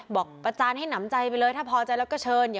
ประจานให้หนำใจไปเลยถ้าพอใจแล้วก็เชิญ